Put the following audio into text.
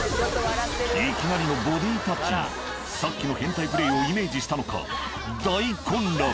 いきなりのボディタッチにさっきの変態プレイをイメージしたのか大混乱！